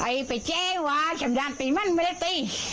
ไปไปเจ๊ว่าชำดันตีมันไม่ได้ตี